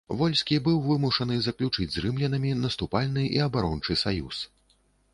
Вольскі былі вымушаны заключыць з рымлянамі наступальны і абарончы саюз.